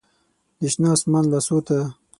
د شنه اسمان لاسو ته